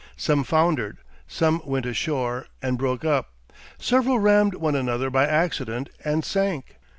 Some foundered, some went ashore, and broke up, several rammed one another by accident and sank.